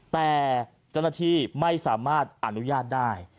แต่เสนอที่ไม่สามารถอนุญาตได้